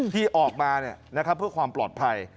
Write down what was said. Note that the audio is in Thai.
ที่ออกมาเพื่อความปลอดภัย